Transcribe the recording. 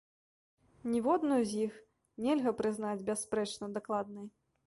Ніводную з іх нельга прызнаць бясспрэчна дакладнай.